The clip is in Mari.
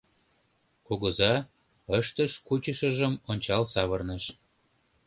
Кугыза ыштыш-кучышыжым ончал савырныш.